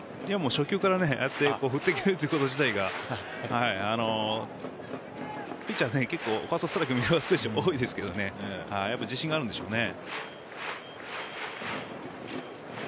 初球からああやって振ってくるということ自体がピッチャーはファーストストライク見逃す選手多いですけど自信があるんでしょうね。